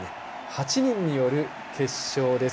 ８人による決勝です。